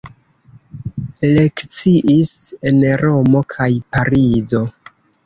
Lekciis en Romo kaj Parizo.